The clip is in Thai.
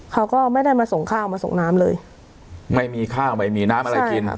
เขาก็ไม่ได้มาส่งข้าวมาส่งน้ำเลยไม่มีข้าวไม่มีน้ำอะไรกิน